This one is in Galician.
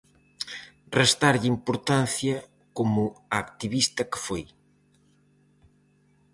Restarlle importancia como a activista que foi.